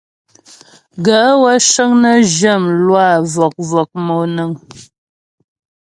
Gaə̂ wə́ cəŋ nə zhyə mlwâ vɔ̀k-vɔ̀k monaə́ŋ.